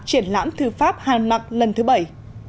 triển lãm thư pháp hàn mạc lần thứ bảy